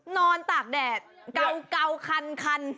ตากแดดเก่าคัน